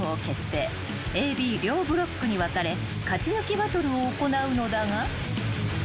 ［ＡＢ両ブロックに分かれ勝ち抜きバトルを行うのだが］